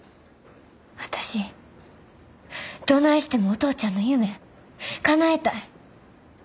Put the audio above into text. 私どないしてもお父ちゃんの夢かなえたい。